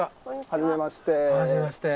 はじめまして。